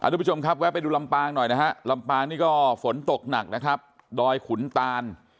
ทุกผู้ชมครับแวะไปดูลำปางหน่อยนะฮะลำปางนี่ก็ฝนตกหนักนะครับดอยขุนตาน